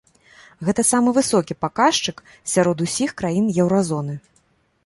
Гэта самы высокі паказчык сярод ўсіх краін еўразоны.